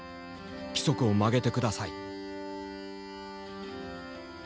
規則を曲げて下さい」。